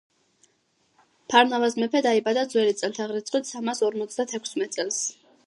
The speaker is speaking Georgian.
ფარნავაზ მეფე დაიბადა ძველი წელთაღრიცხვით სამასორმოცდატექვსმეტ წელს